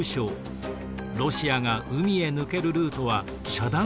ロシアが海へ抜けるルートは遮断されてしまいます。